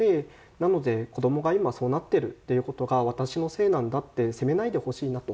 なので、子どもが今そうなっているっていうことが私のせいなんだって責めないでほしいなと。